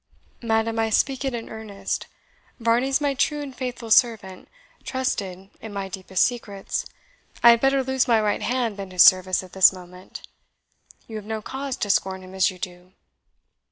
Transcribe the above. "Madam, I speak it in earnest Varney is my true and faithful servant, trusted in my deepest secrets. I had better lose my right hand than his service at this moment. You have no cause to scorn him as you do."